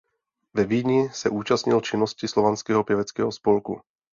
Ve Vídni se účastnil činnosti slovanského pěveckého spolku.